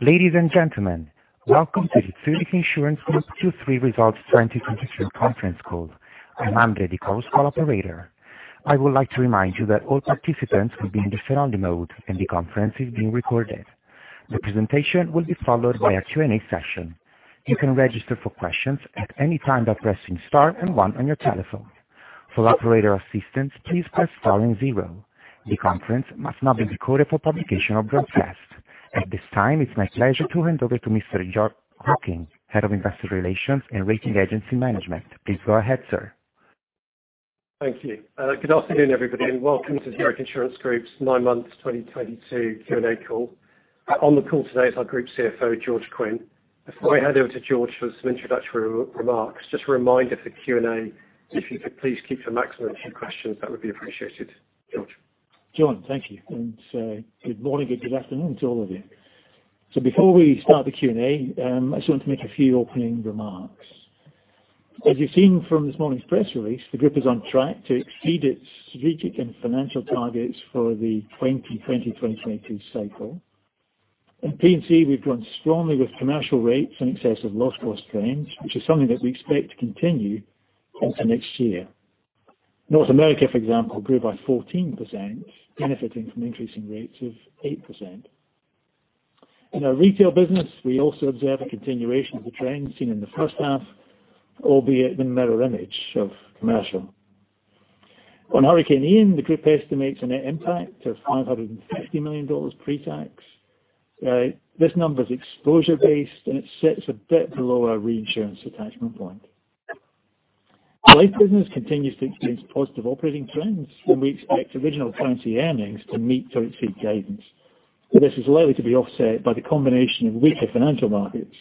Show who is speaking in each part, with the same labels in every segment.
Speaker 1: Ladies and gentlemen, welcome to the Zurich Insurance Group Q3 Results 2023 conference call. I'm Andre, the call operator. I would like to remind you that all participants will be in the phone mode, and the conference is being recorded. The presentation will be followed by a Q&A session. You can register for questions at any time by pressing star and one on your telephone. For operator assistance, please press star and zero. The conference must not be recorded for publication or broadcast. At this time, it's my pleasure to hand over to Mr. Jon Hocking, Head of Investor Relations and Rating Agency Management. Please go ahead, sir.
Speaker 2: Thank you. Good afternoon, everybody, and welcome to Zurich Insurance Group's nine-month 2022 Q&A call. On the call today is our Group CFO, George Quinn. Before I hand over to George for some introductory remarks, just a reminder for Q&A, if you could please keep to a maximum of two questions, that would be appreciated. George.
Speaker 3: Jon, thank you. Good morning and good afternoon to all of you. Before we start the Q&A, I just want to make a few opening remarks. As you've seen from this morning's press release, the group is on track to exceed its strategic and financial targets for the 2020-2022 cycle. In P&C, we've grown strongly with commercial rates in excess of loss cost trends, which is something that we expect to continue into next year. North America, for example, grew by 14%, benefiting from increasing rates of 8%. In our retail business, we also observe a continuation of the trend seen in the first half, albeit the mirror image of commercial. On Hurricane Ian, the group estimates a net impact of $550 million pre-tax. This number is exposure-based, and it sits a bit below our reinsurance attachment point. Our life business continues to experience positive operating trends, and we expect original currency earnings to meet full-year fee guidance. This is likely to be offset by the combination of weaker financial markets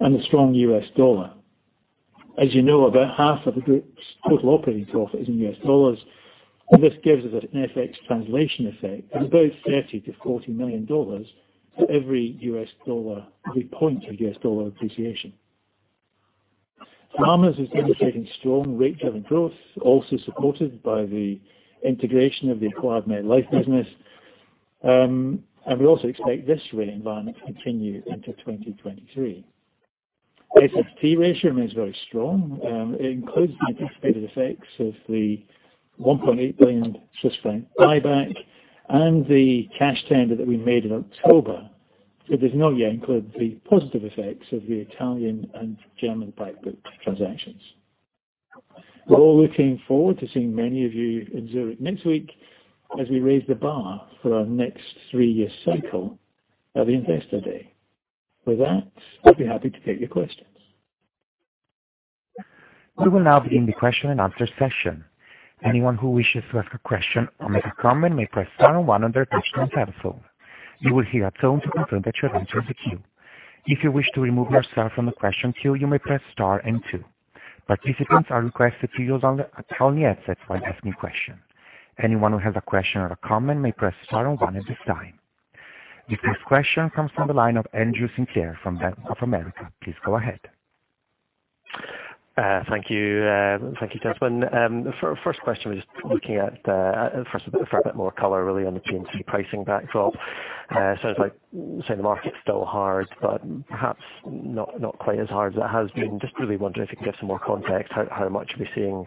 Speaker 3: and a strong US dollar. As you know, about half of the group's total operating profit is in US dollars. This gives us an FX translation effect of about $30 million-$40 million for every point of US dollar appreciation. Farmers is demonstrating strong rate driven growth, also supported by the integration of the acquired MetLife business. We also expect this rate environment to continue into 2023. The SST ratio remains very strong. It includes the anticipated effects of the 1.8 billion Swiss franc buyback and the cash tender that we made in October. It does not yet include the positive effects of the Italian and German back book transactions. We're all looking forward to seeing many of you in Zurich next week as we raise the bar for our next three-year cycle at Investor Day. With that, I'd be happy to take your questions.
Speaker 1: We will now begin the question and answer session. Anyone who wishes to ask a question or make a comment may press star and one on their touch-tone telephone. You will hear a tone to confirm that you have entered the queue. If you wish to remove yourself from the question queue, you may press star and two. Participants are requested to use only handsets while asking questions. Anyone who has a question or a comment may press star and one at this time. The first question comes from the line of Andrew Sinclair from Bank of America. Please go ahead.
Speaker 4: Thank you. Thank you, gentlemen. The first question was just looking at, first for a bit more color, really on the P&C pricing backdrop. It's like saying the market's still hard, but perhaps not quite as hard as it has been. Just really wondering if you can give some more context how much we're seeing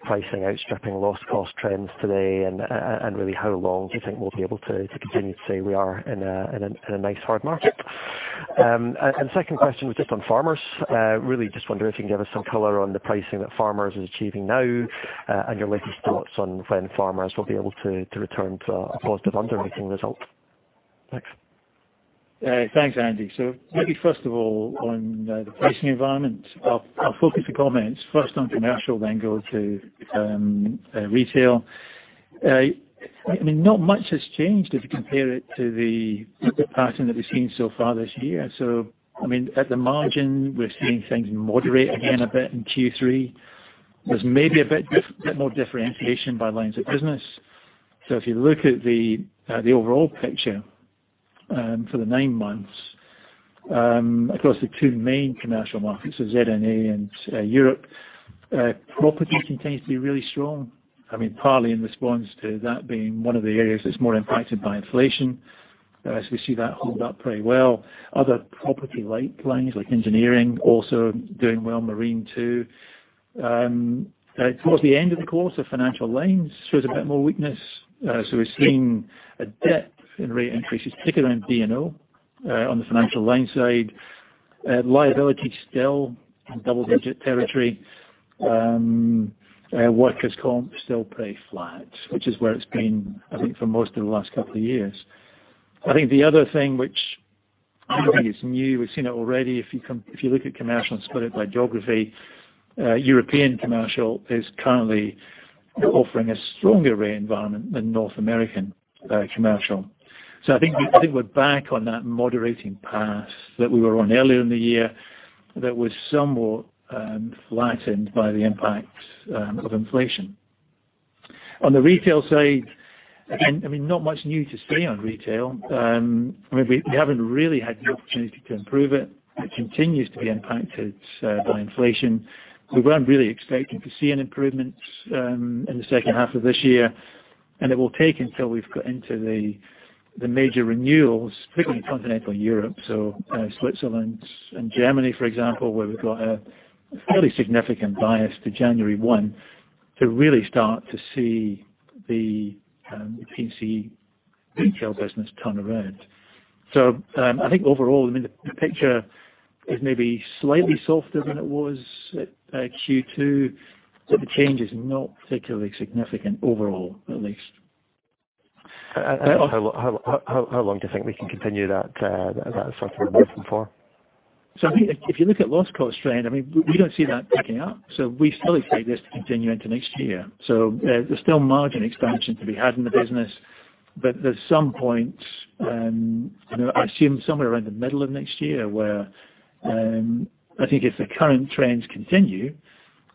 Speaker 4: pricing outstripping loss cost trends today and really how long do you think we'll be able to continue to say we are in a nice hard market? Second question was just on Farmers. Really just wondering if you can give us some color on the pricing that Farmers is achieving now, and your latest thoughts on when Farmers will be able to return to a positive underwriting result. Thanks.
Speaker 3: Thanks, Andy. Maybe first of all, on the pricing environment. I'll focus your comments first on commercial, then go to retail. I mean, not much has changed if you compare it to the pattern that we've seen so far this year. I mean, at the margin, we're seeing things moderate again a bit in Q3. There's maybe a bit more differentiation by lines of business. If you look at the overall picture, for the nine months, across the two main commercial markets, so ZNA and Europe, property continues to be really strong. I mean, partly in response to that being one of the areas that's more impacted by inflation. We see that hold up pretty well. Other property-like lines like engineering also doing well, marine too. Towards the end of the quarter, financial lines shows a bit more weakness. We're seeing a dip in rate increases, particularly in D&O, on the financial line side. Liability still in double-digit territory. Workers' comp still pretty flat, which is where it's been, I think, for most of the last couple of years. I think the other thing which I don't think is new, we've seen it already, if you look at commercial and split it by geography, European commercial is currently offering a stronger rate environment than North American commercial. I think we're back on that moderating path that we were on earlier in the year that was somewhat flattened by the impact of inflation. On the retail side, again, I mean, not much new to say on retail. I mean, we haven't really had the opportunity to improve it. It continues to be impacted by inflation. We weren't really expecting to see an improvement in the second half of this year. It will take until we've got into the major renewals, particularly in continental Europe. Switzerland and Germany, for example, where we've got a fairly significant bias to January 1 to really start to see the P&C retail business turn around. I think overall, I mean, the picture is maybe slightly softer than it was at Q2, but the change is not particularly significant overall, at least.
Speaker 4: How long do you think we can continue that sort of momentum for?
Speaker 3: I think if you look at loss cost trend, I mean, we don't see that picking up, so we still expect this to continue into next year. There's still margin expansion to be had in the business. There's some points, you know, I assume somewhere around the middle of next year where, I think if the current trends continue,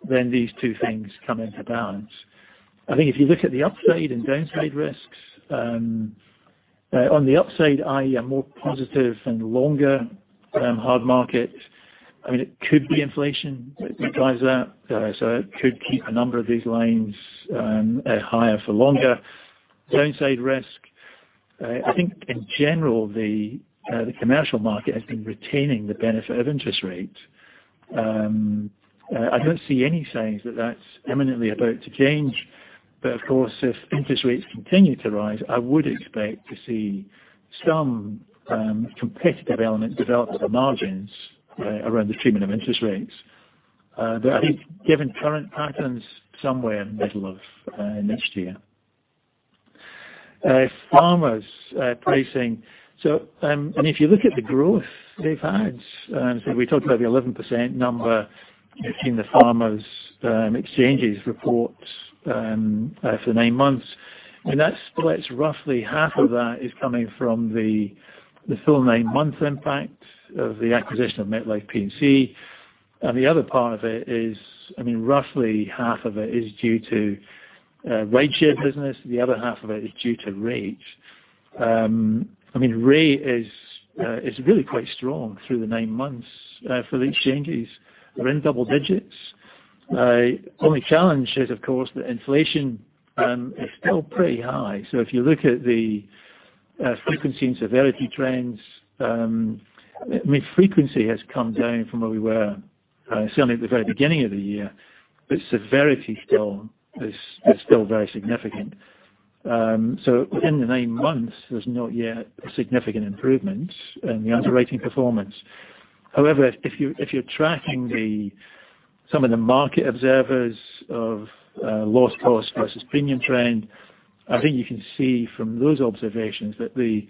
Speaker 3: then these two things come into balance. I think if you look at the upside and downside risks, on the upside, I am more positive and longer, hard market. I mean, it could be inflation that drives that. It could keep a number of these lines, higher for longer. Downside risk. I think in general the commercial market has been retaining the benefit of interest rates. I don't see any signs that that's imminently about to change. Of course, if interest rates continue to rise, I would expect to see some competitive element develop in the margins around the treatment of interest rates. I think given current patterns somewhere in the middle of next year. Farmers pricing. If you look at the growth they've had, we talked about the 11% number in the Farmers Exchanges reports for nine months. That splits roughly half of that is coming from the full nine months impact of the acquisition of MetLife P&C. The other part of it is, I mean, roughly half of it is due to rate and share business. The other half of it is due to rate. I mean, rate is really quite strong through the nine months for the exchanges. We're in double digits. Only challenge is of course that inflation is still pretty high. If you look at the frequency and severity trends, I mean, frequency has come down from where we were certainly at the very beginning of the year, but severity still is very significant. Within the nine months, there's not yet a significant improvement in the underwriting performance. However, if you're tracking some of the market observers of loss cost versus premium trend, I think you can see from those observations that the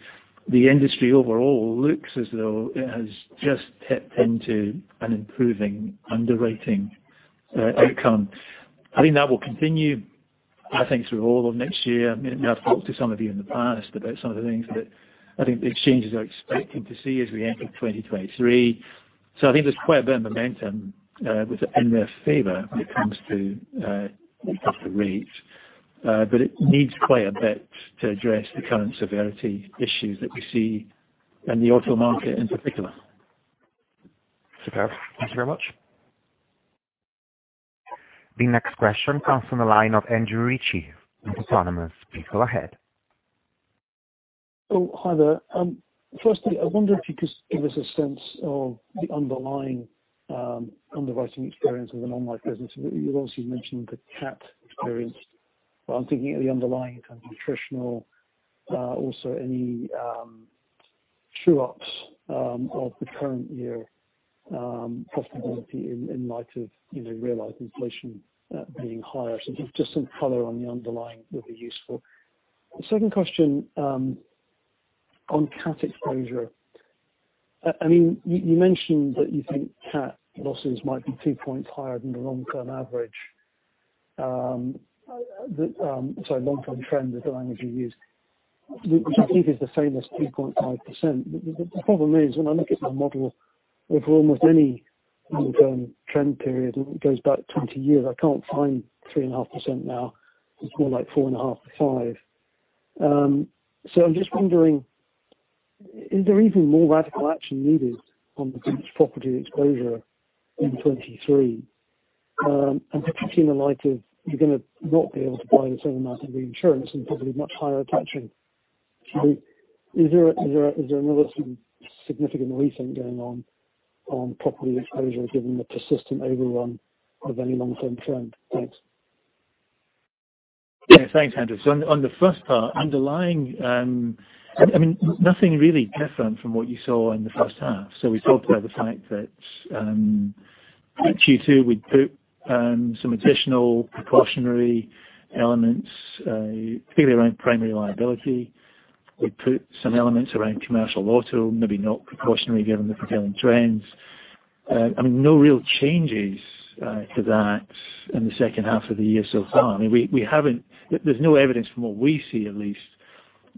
Speaker 3: industry overall looks as though it has just tapped into an improving underwriting outcome. I think that will continue, I think through all of next year. I've talked to some of you in the past about some of the things that I think the exchanges are expecting to see as we enter 2023. I think there's quite a bit of momentum in their favor when it comes to the rate. It needs quite a bit to address the current severity issues that we see in the auto market in particular.
Speaker 4: Superb. Thank you very much.
Speaker 1: The next question comes from the line of Andrew Ritchie from Autonomous. Please go ahead.
Speaker 5: Oh, hi there. Firstly, I wonder if you could give us a sense of the underlying underwriting experience of the non-life business. You've obviously mentioned the cat experience, but I'm thinking of the underlying kind of attritional, also any true ups of the current year possibility in light of, you know, realized inflation being higher. So just some color on the underlying would be useful. The second question on cat exposure. I mean, you mentioned that you think cat losses might be 2 points higher than the long term average. The long term trend is the language you used. Which I think is the famous 3.5%. The problem is when I look at the model over almost any long-term trend period, and it goes back 20 years, I can't find 3.5% now. It's more like 4.5%-5%. I'm just wondering, is there even more radical action needed on the British property exposure in 2023? Particularly in the light of you're gonna not be able to buy the same amount of insurance and probably much higher attachment. Is there another sort of significant rethink going on on property exposure given the persistent overrun of any long-term trend? Thanks.
Speaker 3: Yeah. Thanks, Andrew. On the first part, underlying, I mean nothing really different from what you saw in the first half. We talked about the fact that Q2, we put some additional precautionary elements clearly around primary liability. We put some elements around commercial auto, maybe not precautionary given the prevailing trends. I mean, no real changes to that in the second half of the year so far. I mean, we haven't. There's no evidence from what we see at least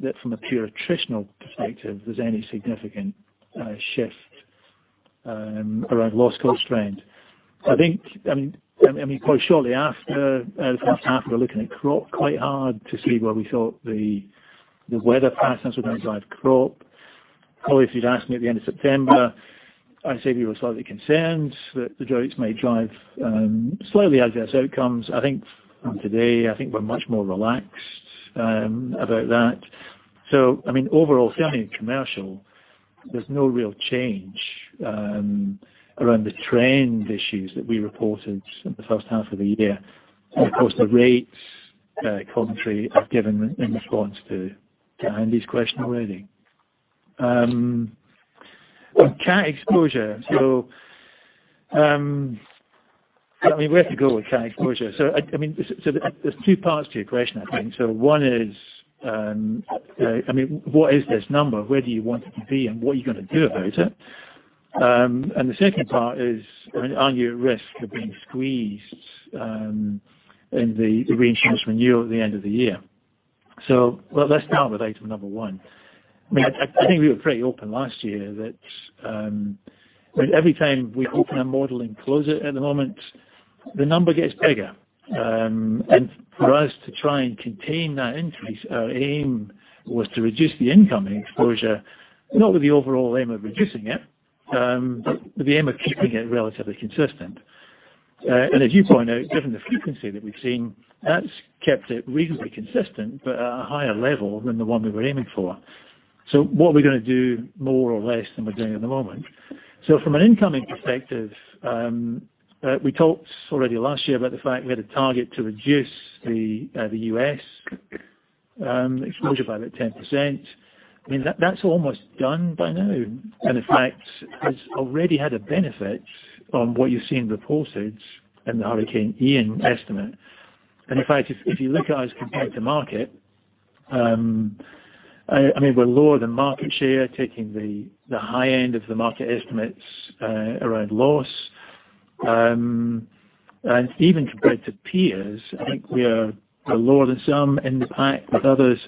Speaker 3: that from a pure attritional perspective there's any significant shift around loss cost trend. I think, I mean quite shortly after the first half we were looking at crop quite hard to see where we thought the weather patterns were going to drive crop. Well, if you'd asked me at the end of September, I'd say we were slightly concerned that the droughts may drive slightly adverse outcomes. I think today, I think we're much more relaxed about that. I mean, overall, certainly in commercial, there's no real change around the trend issues that we reported in the first half of the year. Of course, the rates commentary I've given in response to Andy's question already. Cat exposure. I mean, where to go with cat exposure? I mean, there's two parts to your question I think. One is, I mean, what is this number? Where do you want it to be, and what are you gonna do about it? The second part is, are you at risk of being squeezed in the reinsurance renewal at the end of the year? Well, let's start with item number 1. I mean, I think we were pretty open last year that every time we open a model and close it at the moment, the number gets bigger. For us to try and contain that increase, our aim was to reduce the incoming exposure, not with the overall aim of reducing it, but with the aim of keeping it relatively consistent. As you point out, given the frequency that we've seen, that's kept it reasonably consistent, but at a higher level than the one we were aiming for. What are we gonna do more or less than we're doing at the moment? From an incoming perspective, we talked already last year about the fact we had a target to reduce the U.S. exposure by about 10%. I mean, that's almost done by now. In fact, it has already had a benefit on what you see in the reporting in the Hurricane Ian estimate. In fact, if you look at us compared to market, I mean, we're lower than market share, taking the high end of the market estimates around loss. Even compared to peers, I think we are lower than some in the pack with others.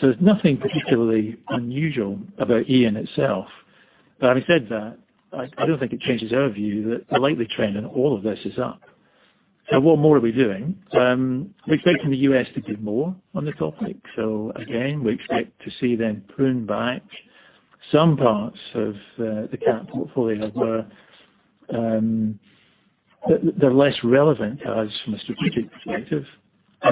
Speaker 3: There's nothing particularly unusual about Ian itself. Having said that, I don't think it changes our view that the likely trend in all of this is up. What more are we doing? We're expecting the U.S. to give more on the topic. Again, we expect to see them prune back some parts of the cat portfolio where they're less relevant to us from a strategic perspective.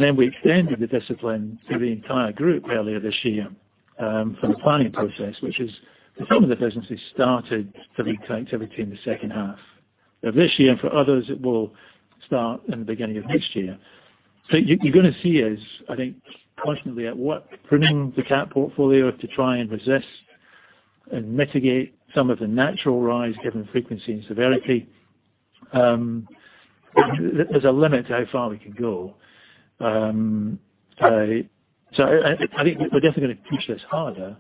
Speaker 3: Then we extended the discipline to the entire group earlier this year for the planning process, which is some of the businesses started the activity in the second half of this year. For others it will start in the beginning of next year. You gonna see us, I think constantly at work pruning the cat portfolio to try and resist and mitigate some of the natural rise given frequency and severity. There's a limit to how far we can go. I think we're definitely gonna push this harder,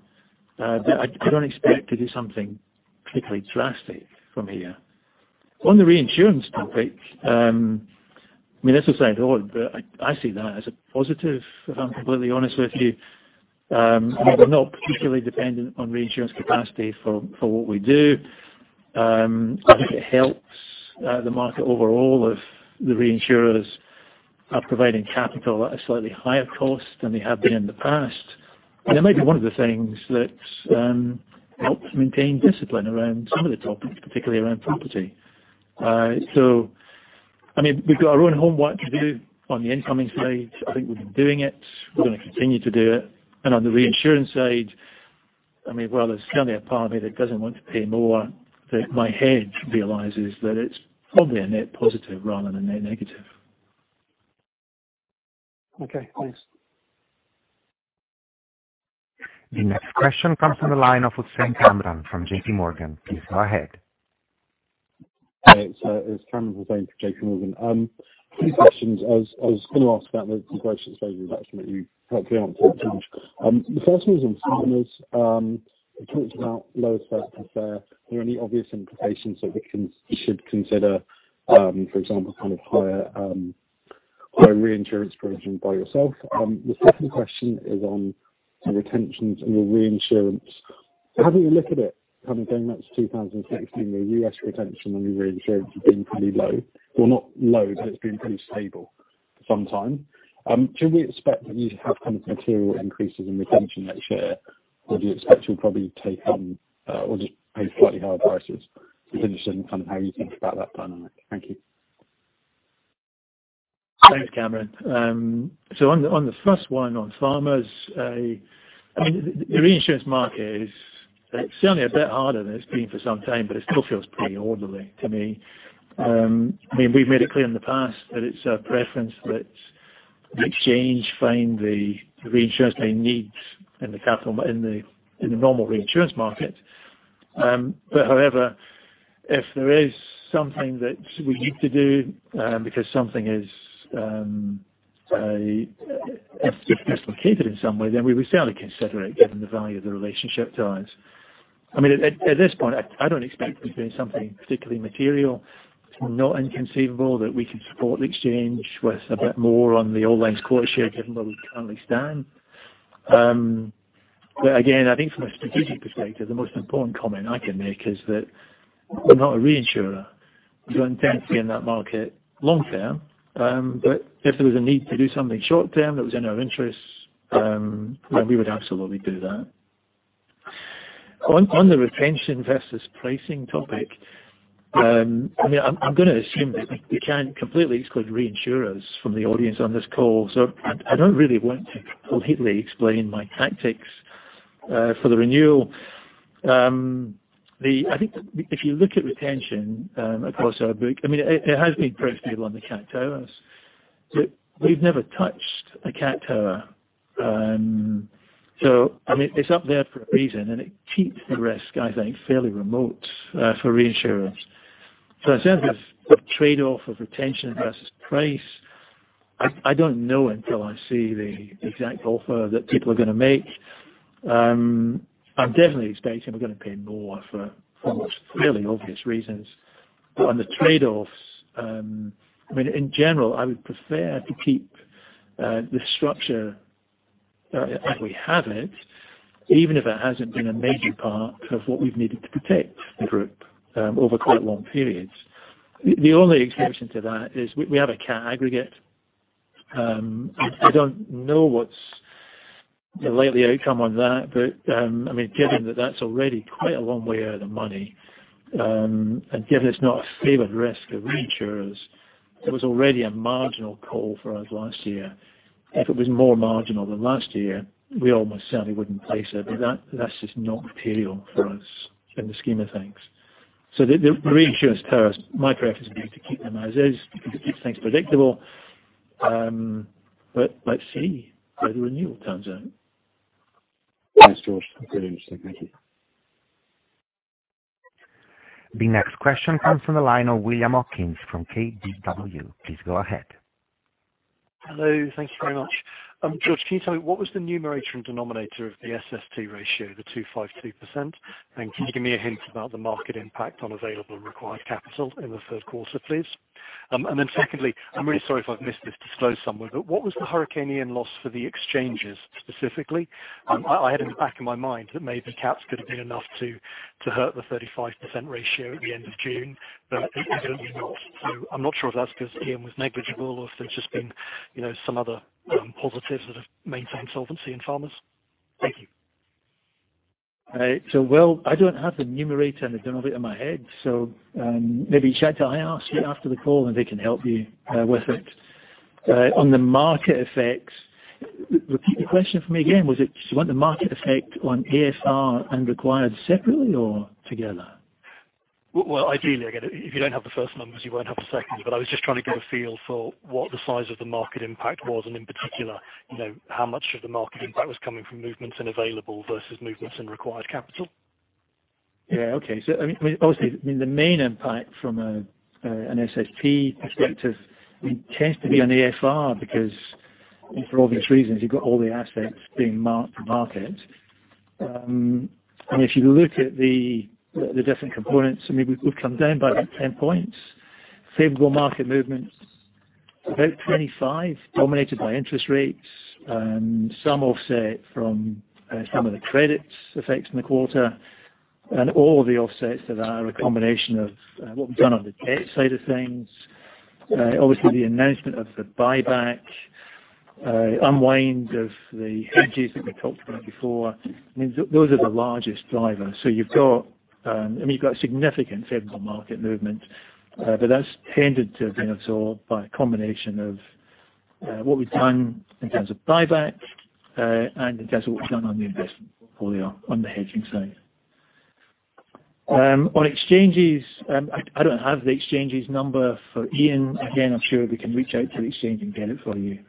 Speaker 3: but I don't expect to do something particularly drastic from here. On the reinsurance topic, I mean, that's aside. I see that as a positive, if I'm completely honest with you. We're not particularly dependent on reinsurance capacity for what we do. I think it helps the market overall if the reinsurers are providing capital at a slightly higher cost than they have been in the past. It may be one of the things that helps maintain discipline around some of the topics, particularly around property. I mean, we've got our own homework to do on the incoming side. I think we've been doing it. We're going to continue to do it. On the reinsurance side, I mean, while there's certainly a part of me that doesn't want to pay more, but my head realizes that it's probably a net positive rather than a net negative.
Speaker 5: Okay, thanks.
Speaker 1: The next question comes from the line of Kamran Hossain from JPMorgan. Please go ahead.
Speaker 6: It's Kamran Hossain from JPMorgan. Two questions. I was gonna ask about the questions you actually helped me answer. The first one is on Farmers. You talked about lower surplus there. Are there any obvious implications that you should consider, for example, kind of higher reinsurance provision by yourself? The second question is on retentions and your reinsurance. Having a look at it, having gone back to 2016, your U.S. retention on your reinsurance has been pretty low. Well, not low, but it's been pretty stable for some time. Should we expect that you'd have kind of material increases in retention next year? Or do you expect you'll probably or just pay slightly higher prices? I'm interested in kind of how you think about that dynamic. Thank you.
Speaker 3: Thanks, Kamran. On the first one on Farmers, I mean, the reinsurance market is certainly a bit harder than it's been for some time, but it still feels pretty orderly to me. I mean, we've made it clear in the past that it's our preference that the Exchange find the reinsurance they need in the normal reinsurance market. However, if there is something that we need to do because something is dislocated in some way, then we certainly consider it given the value of the relationship to us. I mean, at this point, I don't expect there to be something particularly material. It's not inconceivable that we can support the Exchange with a bit more on the quota share given where we currently stand. I think from a strategic perspective, the most important comment I can make is that we're not a reinsurer. We're interested in that market long term. If there was a need to do something short-term that was in our interest, then we would absolutely do that. On the retention versus pricing topic, I mean, I'm gonna assume that we can't completely exclude reinsurers from the audience on this call, so I don't really want to completely explain my tactics for the renewal. I think that if you look at retention across our book, I mean, it has been pretty stable on the cat towers. We've never touched a cat tower. I mean, it's up there for a reason, and it keeps the risk, I think, fairly remote for reinsurers. In terms of trade-off of retention versus price, I don't know until I see the exact offer that people are gonna make. I'm definitely expecting we're gonna pay more for fairly obvious reasons. But on the trade-offs, I mean, in general, I would prefer to keep the structure as we have it, even if it hasn't been a major part of what we've needed to protect the group over quite long periods. The only exception to that is we have a cat aggregate. I don't know what's the likely outcome on that, but I mean, given that that's already quite a long way out of the money, and given it's not a favored risk of reinsurers, it was already a marginal call for us last year. If it was more marginal than last year, we almost certainly wouldn't place it. That, that's just not material for us in the scheme of things. The reinsurance towers, my preference would be to keep them as is. It keeps things predictable. Let's see how the renewal turns out.
Speaker 6: Thanks, George. Very interesting. Thank you.
Speaker 1: The next question comes from the line of William Hawkins from KBW. Please go ahead.
Speaker 7: Hello. Thank you very much. George, can you tell me what was the numerator and denominator of the SST ratio, the 252%? And can you give me a hint about the market impact on available and required capital in the third quarter, please? And then secondly, I'm really sorry if I've missed this disclosed somewhere, but what was the Hurricane Ian loss for the exchanges specifically? I had it in the back of my mind that maybe caps could have been enough to hurt the 35% ratio at the end of June, but it evidently not. I'm not sure if that's 'cause Ian was negligible or if there's just been, you know, some other positives that have maintained solvency in Farmers. Thank you.
Speaker 3: Will, I don't have the numerator and the denominator in my head, so maybe chat to IR after the call and they can help you with it. On the market effects, repeat the question for me again. Was it? Do you want the market effect on SST and required separately or together?
Speaker 7: Well, ideally, again, if you don't have the first numbers, you won't have the second. I was just trying to get a feel for what the size of the market impact was, and in particular, you know, how much of the market impact was coming from movements and available versus movements and required capital.
Speaker 3: Yeah. Okay. I mean, obviously, I mean, the main impact from an SST perspective tends to be on SST because for obvious reasons, you've got all the assets being marked to market. If you look at the different components, I mean, we've come down by about 10 points. Favorable market movements, about 25, dominated by interest rates and some offset from some of the credit effects in the quarter. All the offsets that are a combination of what we've done on the debt side of things, obviously the announcement of the buyback, unwind of the hedges that we talked about before. I mean, those are the largest drivers. You've got, I mean, you've got significant favorable market movement, but that's tended to have been absorbed by a combination of what we've done in terms of buyback, and in terms of what we've done on the investment portfolio on the hedging side. On exchanges, I don't have the exchanges number for Ian. Again, I'm sure we can reach out to the exchange and get it for you,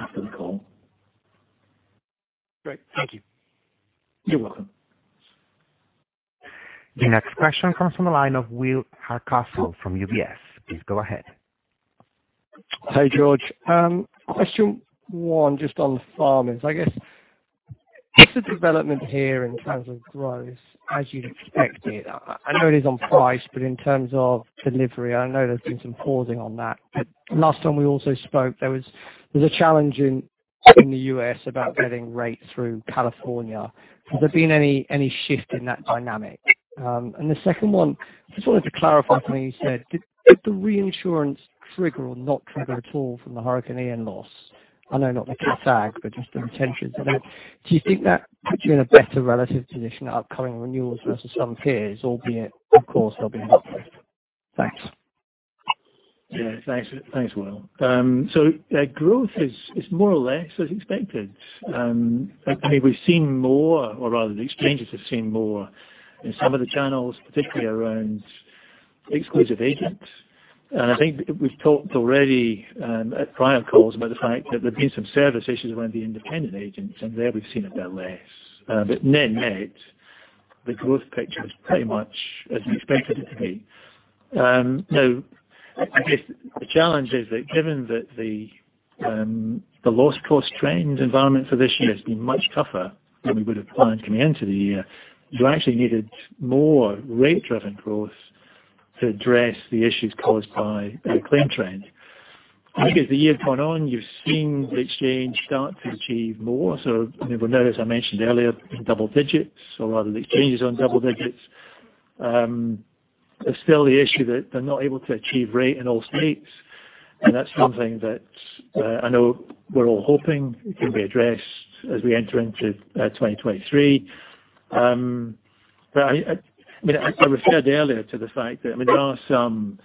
Speaker 3: after the call.
Speaker 7: Great. Thank you.
Speaker 3: You're welcome.
Speaker 1: The next question comes from the line of Will Hardcastle from UBS. Please go ahead.
Speaker 8: Hey, George. Question one, just on Farmers. I guess, what's the development here in terms of growth as you'd expect it? I know it is on price, but in terms of delivery, I know there's been some pausing on that. Last time we also spoke, there was a challenge in the U.S. about getting rates through California. Has there been any shift in that dynamic? The second one, just wanted to clarify something you said. Did the reinsurance trigger or not trigger at all from the Hurricane Ian loss? I know not the catastrophe aggregate, but just the retention. Do you think that puts you in a better relative position upcoming renewals versus some peers, albeit of course there'll be an uplift? Thanks.
Speaker 3: Yeah. Thanks. Thanks, Will. Growth is more or less as expected. I mean, we've seen more, or rather the exchanges have seen more in some of the channels, particularly around exclusive agents. I think we've talked already at prior calls about the fact that there have been some service issues around the independent agents, and there we've seen a bit less. Net-net, the growth picture is pretty much as we expected it to be. Now, I guess the challenge is that given that the loss cost trend environment for this year has been much tougher than we would have planned coming into the year, you actually needed more rate driven growth to address the issues caused by the claim trend. I think as the year has gone on, you've seen the exchange start to achieve more. We know, as I mentioned earlier, double digits or rather the exchanges on double digits. There's still the issue that they're not able to achieve rate in all states. That's something that I know we're all hoping can be addressed as we enter into 2023. I mean I referred earlier to the fact that I mean there are some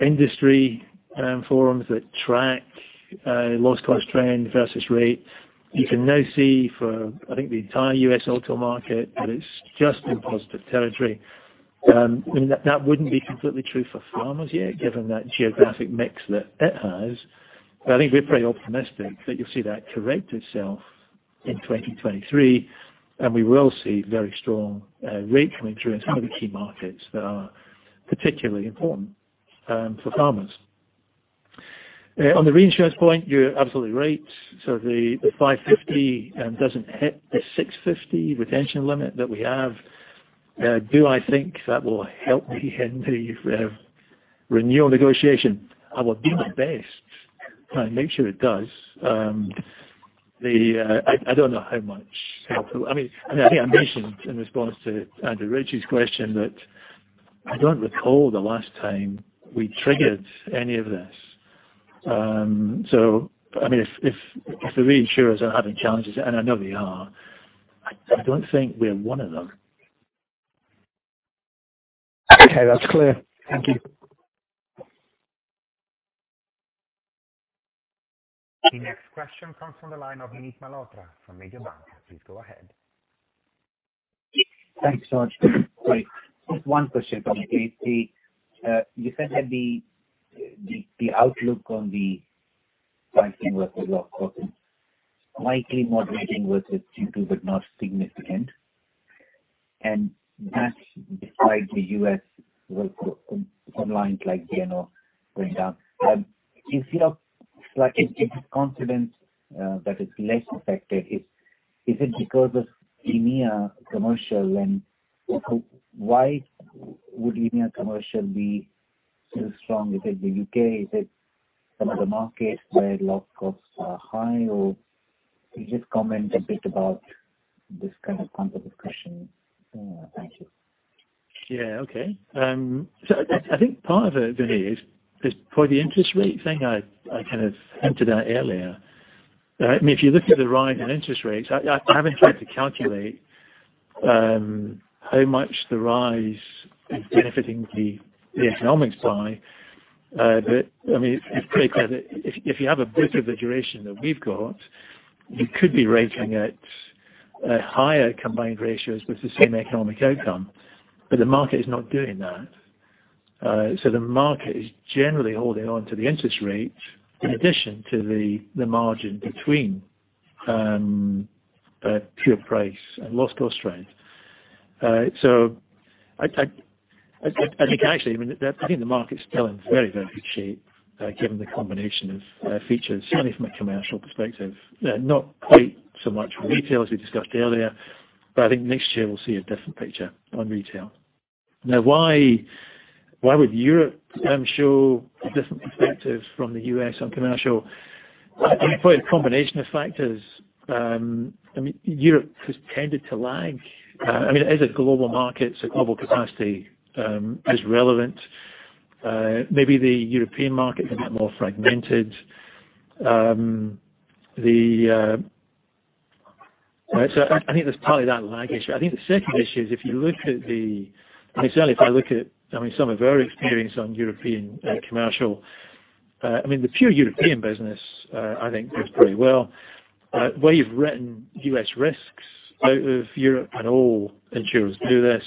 Speaker 3: industry forums that track loss cost trend versus rate. You can now see for I think the entire U.S. auto market that it's just in positive territory. I mean that wouldn't be completely true for Farmers yet, given that geographic mix that it has. I think we're pretty optimistic that you'll see that correct itself in 2023, and we will see very strong rate coming through in some of the key markets that are particularly important for Farmers. On the reinsurance point, you're absolutely right. The 550 doesn't hit the 650 retention limit that we have. Do I think that will help me in the renewal negotiation? I will do my best to make sure it does. I don't know how much helpful. I mean, I think I mentioned in response to Andrew Ritchie's question that I don't recall the last time we triggered any of this. I mean, if the reinsurers are having challenges, and I know they are, I don't think we're one of them.
Speaker 8: Okay. That's clear. Thank you.
Speaker 1: The next question comes from the line of Vinit Malhotra from Mediobanca. Please go ahead.
Speaker 9: Thanks, George. Sorry, just one question from me. You said that the outlook on the pricing was, of course, likely moderating with Q2, but not significant. That's despite the U.S. online, like, you know, going down. If your confidence is less affected, is it because of European commercial? Why would European commercial be so strong? Is it the U.K? Is it some other markets where a lot of costs are high? Or can you just comment a bit about this kind of point of discussion? Thank you.
Speaker 3: Yeah. Okay. I think part of it, Vinit, is probably the interest rate thing I kind of hinted at earlier. I mean, if you look at the rise in interest rates, I haven't tried to calculate how much the rise is benefiting the economics by. I mean, it's pretty clear if you have a book of the duration that we've got, you could be rating at higher combined ratios with the same economic outcome. The market is not doing that. The market is generally holding on to the interest rates in addition to the margin between pure price and loss cost rate. I think actually, I mean, I think the market's still in very, very good shape, given the combination of features, certainly from a commercial perspective. Not quite so much retail as we discussed earlier, but I think next year we'll see a different picture on retail. Now why would Europe show a different perspective from the U.S. on commercial? I think probably a combination of factors. I mean, Europe has tended to lag. I mean, it is a global market, so global capacity is relevant. Maybe the European market is a bit more fragmented. Right. I think there's probably that lag issue. I think the second issue is if you look at the I mean, certainly if I look at, I mean, some of our experience on European commercial, I mean, the pure European business, I think does pretty well. Where you've written U.S. risks out of Europe, and all insurers do this,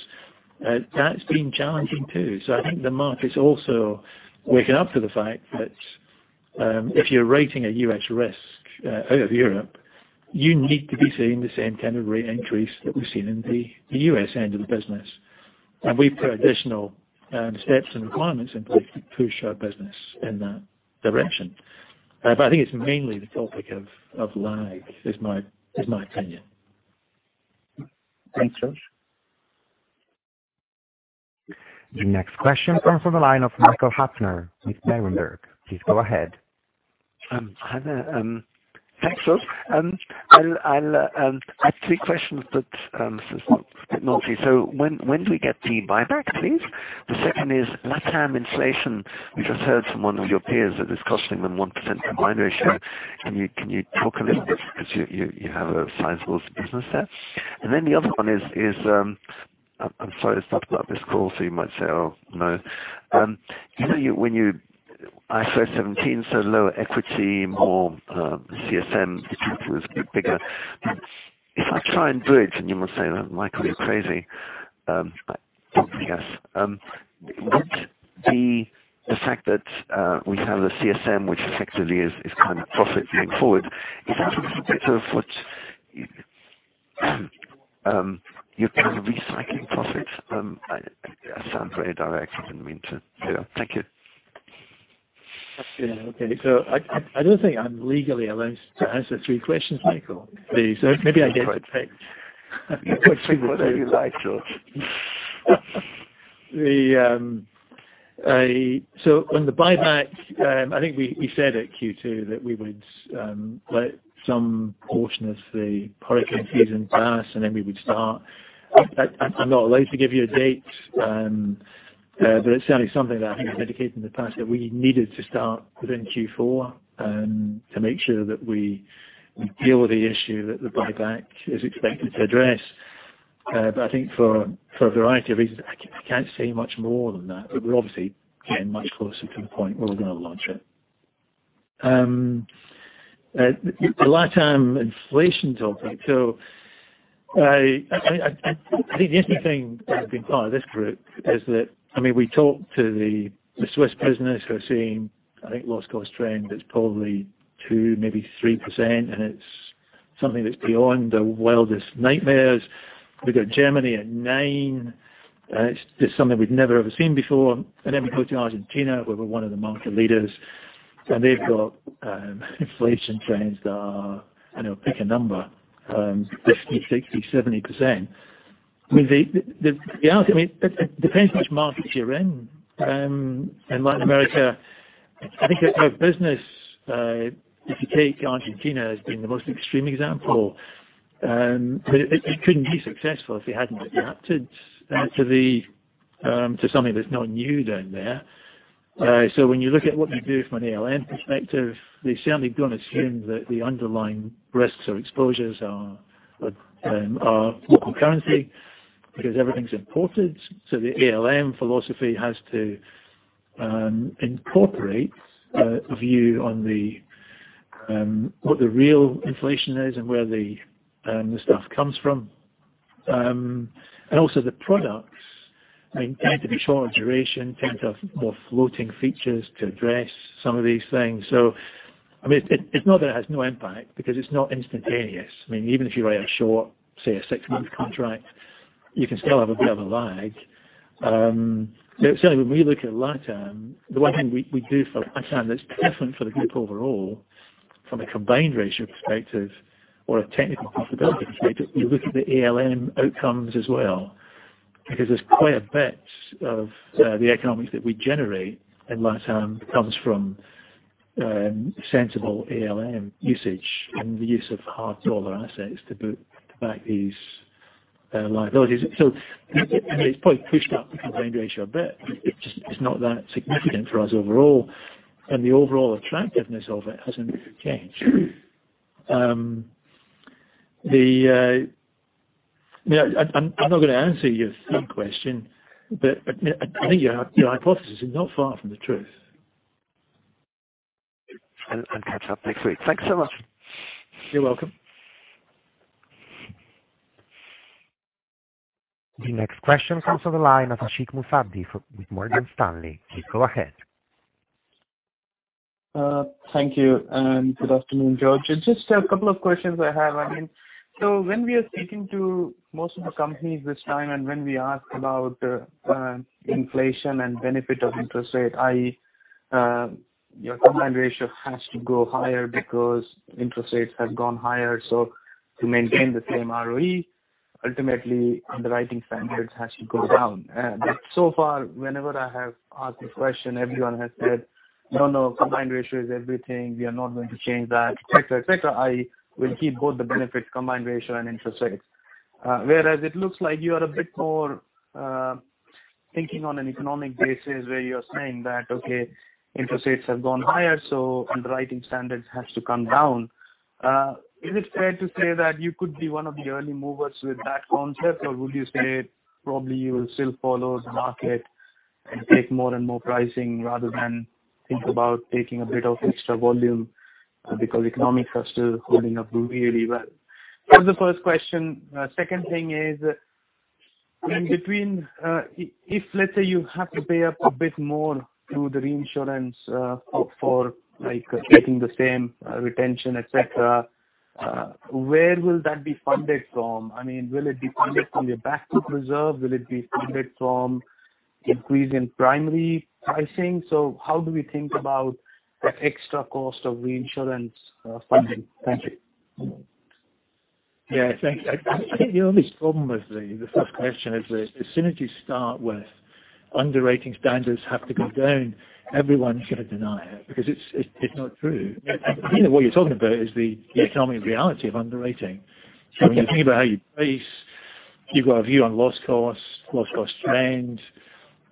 Speaker 3: that's been challenging too. I think the market's also waking up to the fact that, if you're rating a U.S. risk, out of Europe, you need to be seeing the same kind of rate increase that we've seen in the U.S. end of the business. We've put additional steps and requirements in place to push our business in that direction. I think it's mainly the topic of lag is my opinion.
Speaker 9: Thanks, George.
Speaker 1: The next question comes from the line of Michael Huttner with Berenberg. Please go ahead.
Speaker 10: Hi there. Thanks, George. I'll ask three questions that this is a bit naughty. When do we get the buyback, please? The second is LatAm inflation. We just heard from one of your peers that it's costing them 1% combined ratio. Can you talk a little bit because you have a sizable business there? The other one is. I'm sorry, it's not about this call, so you might say, "Oh, no." You know, IFRS 17, so lower equity, more CSM, the capital is a bit bigger. If I try and bridge, and you must say, "Michael, you're crazy." I guess. Would the fact that we have the CSM, which effectively is kind of profit going forward. Is that a little bit of what you're kind of recycling profits? I sound very direct. I didn't mean to. Thank you.
Speaker 3: Yeah. Okay. I don't think I'm legally allowed to answer three questions, Michael. Maybe I get-
Speaker 10: You can pick whatever you like, George.
Speaker 3: On the buyback, I think we said at Q2 that we would let some portion of the product infusion pass and then we would start. I'm not allowed to give you a date, but it's certainly something that I think is indicated in the past that we needed to start within Q4 to make sure that we deal with the issue that the buyback is expected to address. I think for a variety of reasons, I can't say much more than that. We're obviously getting much closer to the point where we're gonna launch it. The LatAm inflation topic. I think the interesting thing of being part of this group is that, I mean, we talk to the Swiss business who are seeing, I think, loss cost trend that's probably 2%-3%, and it's something that's beyond their wildest nightmares. We've got Germany at 9%, and it's just something we've never, ever seen before. Then we go to Argentina, where we're one of the market leaders, and they've got inflation trends that are, you know, pick a number, 50%, 60%, 70%. I mean, the honesty. I mean, it depends which markets you're in. In Latin America, I think our business, if you take Argentina as being the most extreme example, it couldn't be successful if you hadn't adapted to the to something that's not new down there. When you look at what we do from an ALM perspective, they've certainly got to assume that the underlying risks or exposures are local currency because everything's imported. The ALM philosophy has to incorporate a view on what the real inflation is and where the stuff comes from. Also the products, I mean, tend to be shorter duration, tend to have more floating features to address some of these things. I mean, it's not that it has no impact because it's not instantaneous. Even if you write a short, say, a six-month contract, you can still have a bit of a lag. Certainly when we look at long term, the one thing we do feel at this time that's different for the group overall from a combined ratio perspective or a technical profitability perspective, we look at the ALM outcomes as well because there's quite a bit of the economics that we generate in life comes from sensible ALM usage and the use of hard dollar assets to back these liabilities. I mean, it's probably pushed up the combined ratio a bit. It's just not that significant for us overall, and the overall attractiveness of it hasn't changed. I mean, I'm not gonna answer your third question, but I think your hypothesis is not far from the truth.
Speaker 10: Catch up next week. Thanks so much.
Speaker 3: You're welcome.
Speaker 1: The next question comes from the line of Ashik Musaddi with Morgan Stanley. Please go ahead.
Speaker 11: Thank you and good afternoon, George. Just a couple of questions I have. I mean, so when we are speaking to most of the companies this time and when we ask about inflation and benefit of interest rate, i.e., your combined ratio has to go higher because interest rates have gone higher, so to maintain the same ROE, ultimately underwriting standards has to go down. But so far, whenever I have asked this question, everyone has said, "No, no, combined ratio is everything. We are not going to change that," et cetera, et cetera. I will keep both the benefits, combined ratio and interest rates. Whereas it looks like you are a bit more thinking on an economic basis where you're saying that, "Okay, interest rates have gone higher, so underwriting standards has to come down." Is it fair to say that you could be one of the early movers with that concept? Or would you say probably you will still follow the market and take more and more pricing rather than think about taking a bit of extra volume because economics are still holding up really well? That's the first question. Second thing is, in between, if let's say you have to pay up a bit more through the reinsurance, for like taking the same retention, et cetera, where will that be funded from? I mean, will it be funded from your back book reserve? Will it be funded from increase in primary pricing? How do we think about the extra cost of reinsurance funding? Thank you.
Speaker 3: Yeah, thank you. I think the only problem with the first question is that as soon as you start with underwriting standards have to go down, everyone's gonna deny it because it's not true. I think that what you're talking about is the economic reality of underwriting. So when you think about how you price, you've got a view on loss costs, loss cost trend,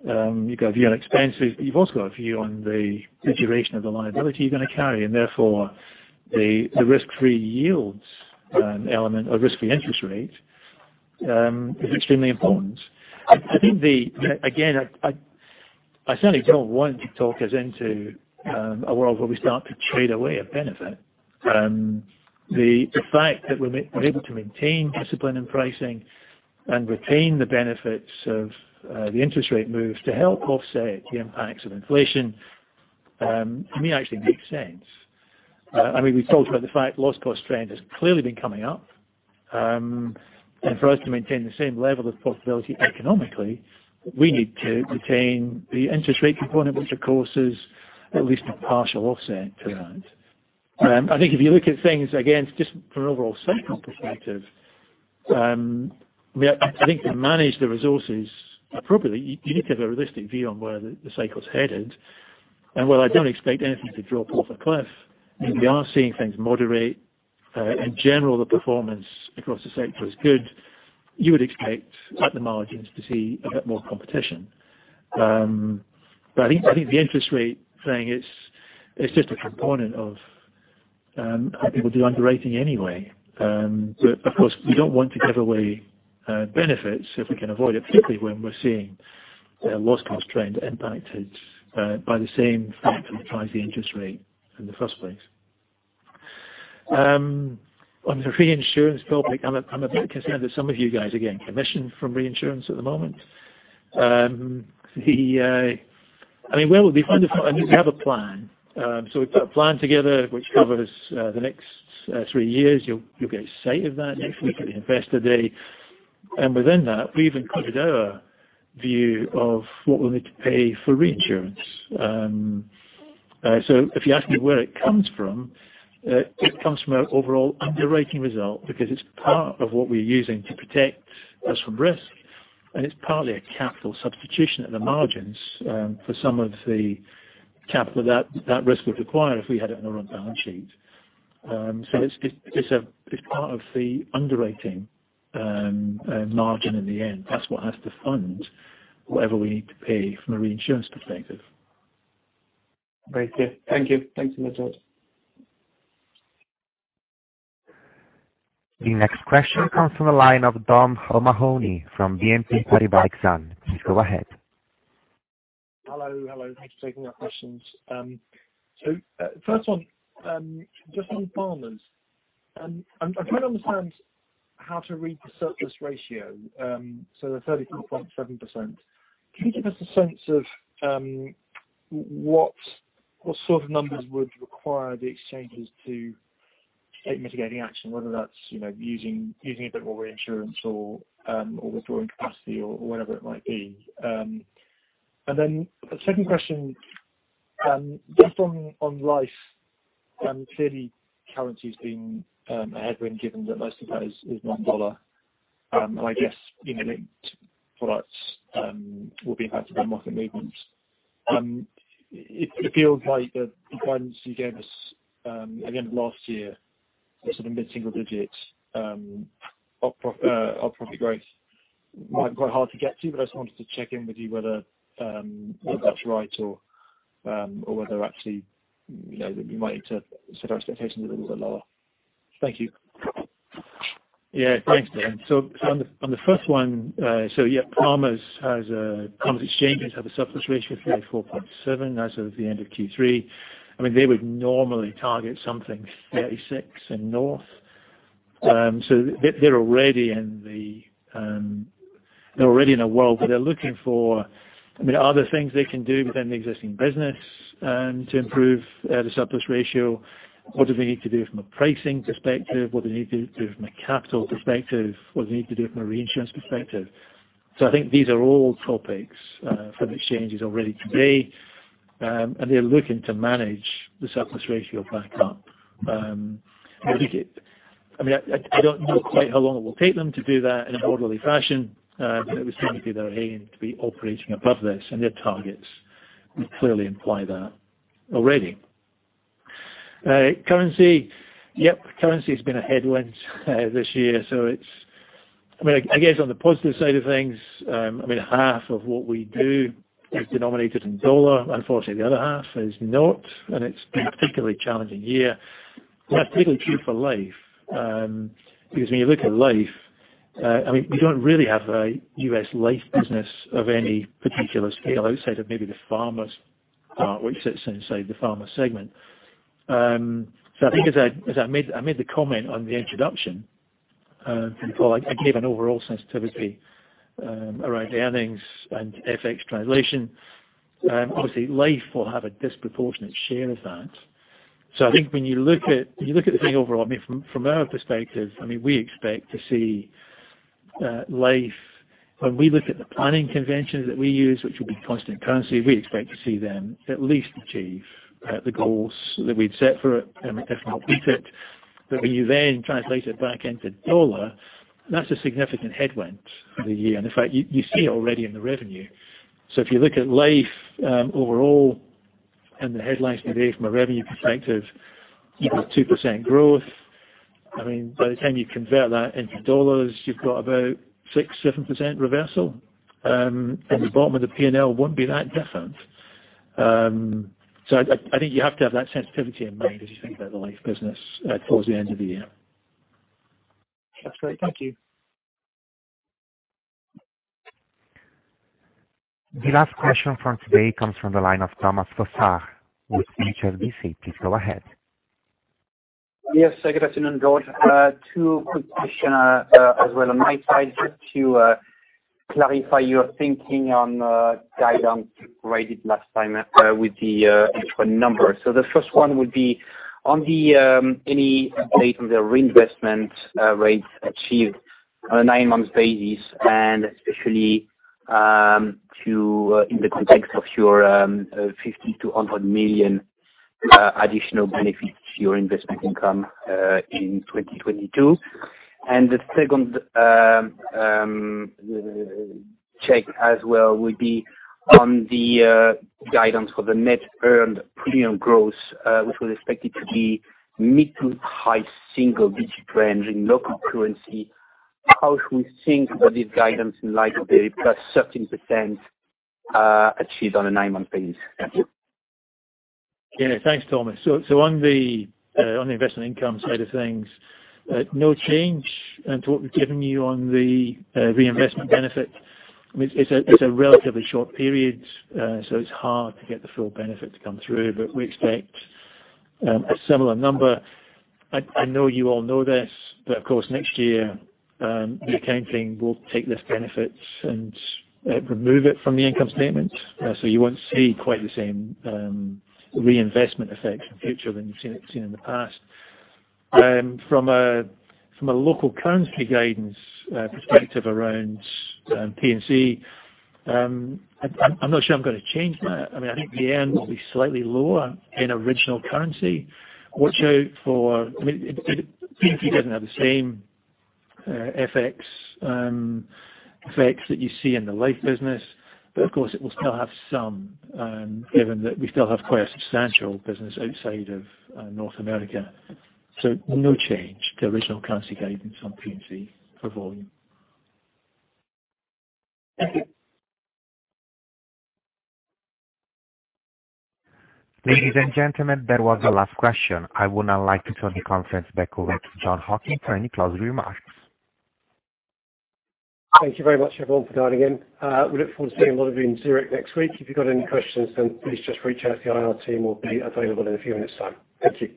Speaker 3: you've got a view on expenses. You've also got a view on the duration of the liability you're gonna carry, and therefore the risk-free yields element of risk-free interest rates is extremely important. I think. Again, I certainly don't want to talk us into a world where we start to trade away a benefit. The fact that we're able to maintain discipline in pricing and retain the benefits of the interest rate moves to help offset the impacts of inflation may actually make sense. I mean, we've talked about the fact loss cost trend has clearly been coming up, and for us to maintain the same level of profitability economically, we need to retain the interest rate component, which of course is at least a partial offset to that. I think if you look at things again, just from an overall cycle perspective, I think to manage the resources appropriately, you need to have a realistic view on where the cycle's headed. While I don't expect anything to drop off a cliff, I mean, we are seeing things moderate. In general, the performance across the sector is good. You would expect at the margins to see a bit more competition. I think the interest rate thing is just a component of how people do underwriting anyway. Of course, we don't want to give away benefits if we can avoid it, particularly when we're seeing loss cost trend impacted by the same factor that drives the interest rate in the first place. On the reinsurance topic, I'm a bit concerned that some of you guys are getting commission from reinsurance at the moment. I mean, where would we find the fund? I mean, we have a plan. We've put a plan together which covers the next three years. You'll get sight of that next week at the Investor Day. Within that, we've included our view of what we'll need to pay for reinsurance. If you ask me where it comes from, it comes from our overall underwriting result because it's part of what we're using to protect us from risk, and it's partly a capital substitution at the margins for some of the capital that risk would require if we had it on our own balance sheet. It's part of the underwriting margin in the end. That's what has to fund whatever we need to pay from a reinsurance perspective.
Speaker 11: Very clear. Thank you. Thanks so much, George.
Speaker 1: The next question comes from the line of Dom O'Mahony from BNP Paribas Exane. Please go ahead.
Speaker 12: Hello, hello. Thanks for taking our questions. First one, just on Farmers, I'm trying to understand how to read the surplus ratio. The 34.7%, can you give us a sense of what sort of numbers would require the exchanges to take mitigating action, whether that's, you know, using a bit more reinsurance or withdrawing capacity or whatever it might be. The second question, just on life, clearly currency's been a headwind given that most of that is USD. I guess any linked products will be impacted by market movements. It feels like the guidance you gave us at the end of last year was sort of mid-single digits operating profit growth. Might be quite hard to get to, but I just wanted to check in with you whether, if that's right or whether actually, you know, we might need to set our expectations a little bit lower. Thank you.
Speaker 3: Thanks, Dom. On the first one, yeah, Farmers Exchanges have a surplus ratio of 44.7 as of the end of Q3. I mean, they would normally target something 36 and north. They're already in a world where they're looking for, I mean, are there things they can do within the existing business to improve the surplus ratio? What do they need to do from a pricing perspective? What do they need to do from a capital perspective? What do they need to do from a reinsurance perspective? I think these are all topics for the exchanges already today, and they're looking to manage the surplus ratio back up. I think it. I mean, I don't know quite how long it will take them to do that in an orderly fashion, but it would certainly be their aim to be operating above this, and their targets would clearly imply that already. Currency. Yep, currency has been a headwind this year. It's I mean, I guess on the positive side of things, I mean, half of what we do is denominated in dollar. Unfortunately, the other half is not, and it's been a particularly challenging year. That's particularly true for life, because when you look at life, I mean, we don't really have a U.S. life business of any particular scale outside of maybe the Farmers part, which sits inside the Farmers segment. I think as I made... I made the comment on the introduction before I gave an overall sensitivity around the earnings and FX translation. Obviously, Life will have a disproportionate share of that. I think when you look at the thing overall, I mean, from our perspective, I mean, we expect to see Life. When we look at the planning conventions that we use, which will be constant currency, we expect to see them at least achieve the goals that we'd set for it, if not beat it. But when you then translate it back into dollar, that's a significant headwind for the year. In fact, you see it already in the revenue. If you look at Life overall and the headlines today from a revenue perspective, you've got 2% growth. I mean, by the time you convert that into dollars, you've got about 6%-7% reversal. The bottom of the P&L won't be that different. I think you have to have that sensitivity in mind as you think about the Life business towards the end of the year.
Speaker 12: That's great. Thank you.
Speaker 1: The last question from today comes from the line of Thomas Fossard with HSBC. Please go ahead.
Speaker 13: Yes. Good afternoon, George. Two quick questions as well on my side, just to clarify your thinking on guidance you provided last time with the H1 numbers. The first one would be on any update on the reinvestment rates achieved on a nine-month basis, and especially to in the context of your $50 million-$100 million additional benefits to your investment income in 2022. The second check as well would be on the guidance for the net earned premium growth, which was expected to be mid- to high-single-digit range in local currency. How should we think about this guidance in light of the +13% achieved on a nine-month basis? Thank you.
Speaker 3: Yeah, thanks, Thomas. On the investment income side of things, no change to what we've given you on the reinvestment benefit. It's a relatively short period, so it's hard to get the full benefit to come through, but we expect a similar number. I know you all know this, but of course, next year, the accounting will take less benefits and remove it from the income statement. So you won't see quite the same reinvestment effect in future than you've seen in the past. From a local currency guidance perspective around P&C, I'm not sure I'm gonna change that. I mean, I think the end will be slightly lower in original currency. Watch out for, I mean, P&C doesn't have the same FX effects that you see in the life business. Of course, it will still have some, given that we still have quite a substantial business outside of North America. No change to original currency guidance on P&C for volume.
Speaker 13: Thank you.
Speaker 1: Ladies and gentlemen, that was the last question. I would now like to turn the conference back over to Jon Hocking for any closing remarks.
Speaker 2: Thank you very much everyone for dialing in. We look forward to seeing a lot of you in Zurich next week. If you've got any questions then please just reach out to our team or be available in a few minutes time. Thank you.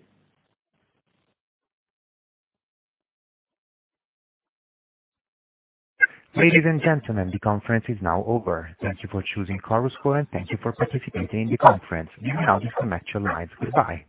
Speaker 1: Ladies and gentlemen, the conference is now over. Thank you for choosing Chorus Call, and thank you for participating in the conference. You may now disconnect your lines. Goodbye.